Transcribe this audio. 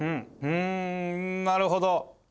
うんなるほど。